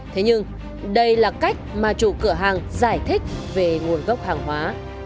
thế nhưng đây là cách mà chủ cửa hàng giải thích về nguồn gốc hàng hóa